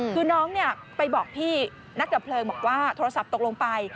คือน้องไปบอกพี่นักดับเพลิงบอกว่าโทรศัพท์ตกลงไป